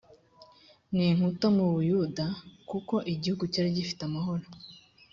n inkuta mu buyuda u kuko igihugu cyari gifite amahoro